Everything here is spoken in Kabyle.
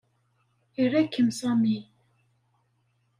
Ira-kem Sami.